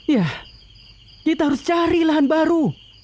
ya kita harus cari lahan baru